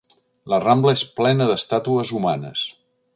La Rambla és plena d'estàtues humanes.